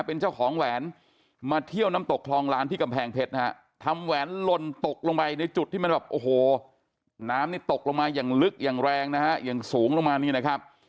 โอ้โหน้ำนี่ตกลงมาอย่างลึกอย่างแรงนะคะยังสูงลงมานี่แหนะครับ